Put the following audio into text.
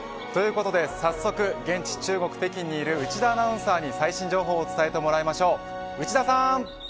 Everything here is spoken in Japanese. ということで、早速現地、中国、北京にいる内田アナウンサーに最新情報伝えてもらいましょう。